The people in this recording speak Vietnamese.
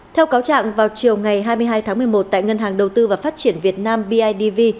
theo cáo trạng vào chiều ngày hai mươi hai tháng một mươi một tại ngân hàng đầu tư và phát triển việt nam bidv